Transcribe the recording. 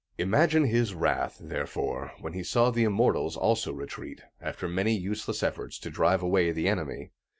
Imagine his wrath, therefore, when he saw the Immortals also retreat, after many useless efforts to drive away the enemy.